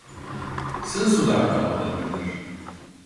Sığ sularda avlanırlar.